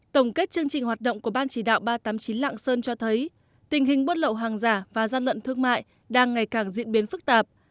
tổng kết chương trình hoạt động của ban chỉ đạo ba trăm tám mươi chín lạng sơn cho thấy tình hình buôn lậu hàng giả và gian lận thương mại đang ngày càng diễn biến phức tạp